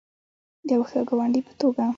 د یو ښه ګاونډي په توګه.